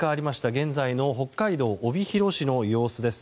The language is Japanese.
現在の北海道帯広市の様子です。